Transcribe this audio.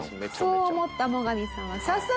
そう思ったモガミさんは早速。